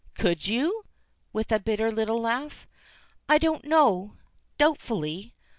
"Could you?" with a bitter little laugh. "I don't know," doubtfully.